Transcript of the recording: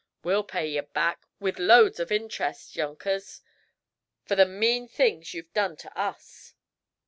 We'll pay ye back, with loads of interest, younkers, for the mean things ye've done to us!"